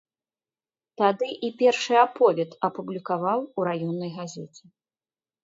Тады і першы аповед апублікаваў у раённай газеце.